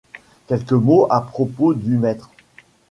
quelques mots à propos du mètre.